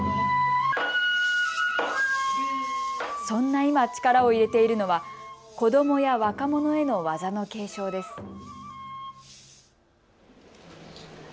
そんな今、力を入れているのは子どもや若者への技の継承です。